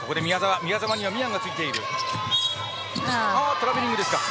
トラベリングですか。